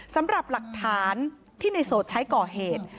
สำหรับหลักฐานที่ในโสดใช้ก่อเหตุ